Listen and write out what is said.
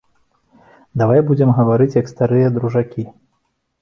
Давай будзем гаварыць як старыя дружакі.